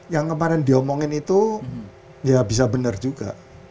yang kemarin diomongin itu ya bisa benar juga